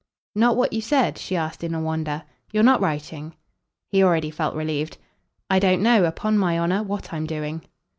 "Not what you said?" she asked in a wonder. "You're not writing?" He already felt relieved. "I don't know, upon my honour, what I'm doing."